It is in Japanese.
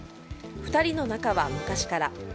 ２人の仲は昔から。